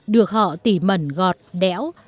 được họ tỉ mẩn gọt đẽo